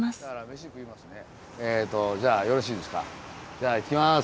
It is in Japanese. じゃあいってきます。